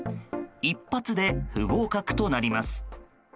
一発で不合格となります。